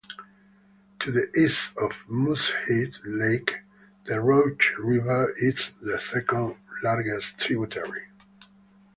To the east of Moosehead Lake, the Roach River is its second largest tributary.